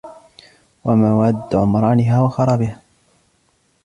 وَمَوَادَّ عُمْرَانِهَا وَخَرَابِهَا